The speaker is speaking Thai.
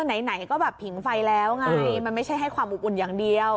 ไหนก็แบบผิงไฟแล้วไงมันไม่ใช่ให้ความอบอุ่นอย่างเดียว